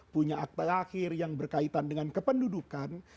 punya akte lahir yang berkaitan dengan kependudukan